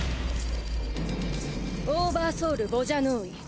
オーバーソウルヴォジャノーイ。